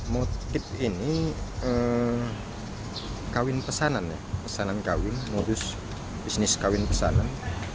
motif ini kawin pesanan modus bisnis kawin pesanan